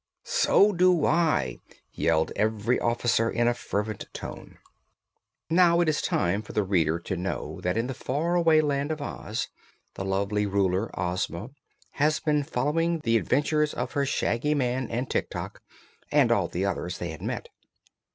"So do I!" yelled every officer in a fervent tone. Now, it is time for the reader to know that in the far away Land of Oz the lovely Ruler, Ozma, had been following the adventures of her Shaggy Man, and Tik Tok, and all the others they had met.